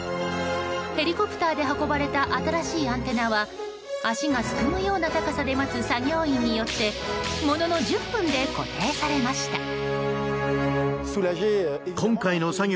ヘリコプターで運ばれた新しいアンテナは足がすくむような高さで待つ作業員によってものの１０分で固定されました。